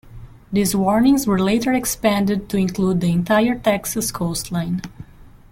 These warnings were later expanded to include the entire Texas coastline.